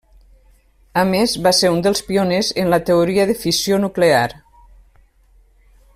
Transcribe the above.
A més va ser un dels pioners en la teoria de fissió nuclear.